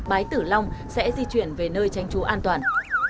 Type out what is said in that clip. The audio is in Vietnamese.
bái tử long sẽ di chuyển về nơi tránh trú an toàn